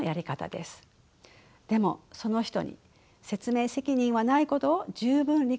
でもその人に説明責任はないことを十分理解した上で聞いてくださいね。